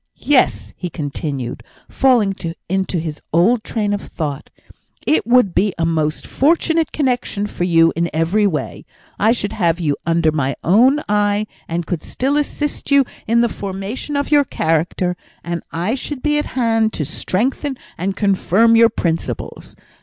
Yes," he continued, falling into his old train of thought, "it would be a most fortunate connexion for you in every way. I should have you under my own eye, and could still assist you in the formation of your character, and I should be at hand to strengthen and confirm your principles.